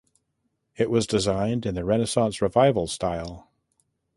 It was designed in the Renaissance Revival style.